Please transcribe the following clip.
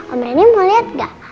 om randy mau liat gak